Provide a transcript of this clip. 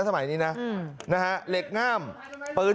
สวัสดีครับทุกคน